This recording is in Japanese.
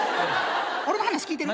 俺の話聞いてる？